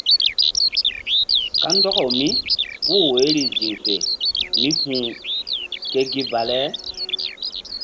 Kandɔkaw mípuh woyri ziŋ fe mí hu̧h ke gi bale.